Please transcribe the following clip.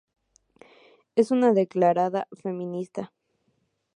Es una declarada feminista.